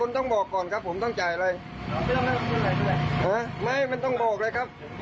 ต้องบอกก่อนครับ